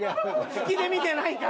引きで見てないから。